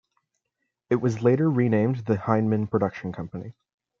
It was later renamed the Hinman Production Company.